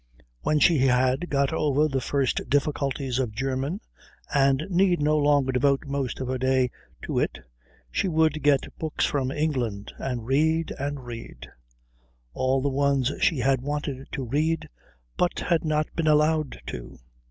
When she had got over the first difficulties of German and need no longer devote most of her day to it she would get books from England and read and read; all the ones she had wanted to read but had not been allowed to.